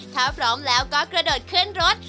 ถ้าพร้อมแล้วก็กระโดดขึ้นรถ